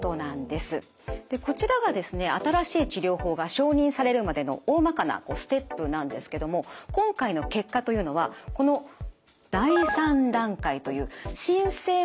でこちらがですね新しい治療法が承認されるまでのおおまかなステップなんですけども今回の結果というのはこの第３段階という申請前最後の治験の結果でした。